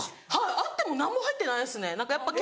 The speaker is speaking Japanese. あっても何も入ってないですね。